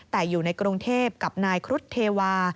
แต่อยู่ในกรุงเทพกับนายครุฑเทวา